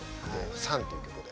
「ＳＵＮ」という曲で。